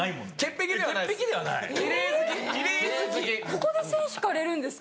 ここで線引かれるんですか？